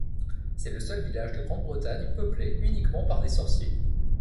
C’est le seul village de Grande-Bretagne peuplé uniquement par des sorciers.